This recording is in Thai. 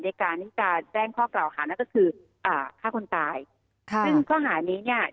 ในการที่จะแจ้งข้อกล่าวหานั่นก็คืออ่าฆ่าคนตายค่ะซึ่งข้อหานี้เนี่ย